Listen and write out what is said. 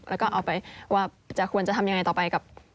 แล้วก็เอาไปว่าจะควรจะทำยังไงต่อไปกับ